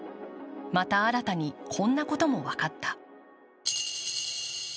また新たにこんなことも分かった。